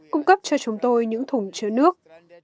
cung cấp cho chúng tôi những thùng chứa nước